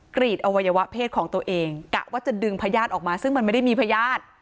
กรีดอวัยวะเพศของตัวเองกะว่าจะดึงพญาติออกมาซึ่งมันไม่ได้มีพญาติ